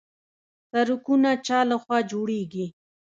سړکونه چا لخوا جوړیږي؟